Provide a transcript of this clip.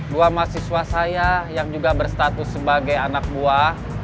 dua mahasiswa saya yang juga berstatus sebagai anak buah